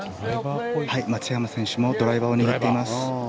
松山選手もドライバーを握っています。